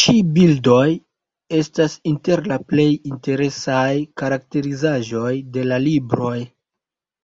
Ĉi-bildoj estas inter la plej interesaj karakterizaĵoj de la libroj.